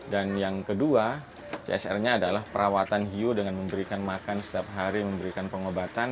dan yang kedua csrnya adalah perawatan hiu dengan memberikan makan setiap hari memberikan pengobatan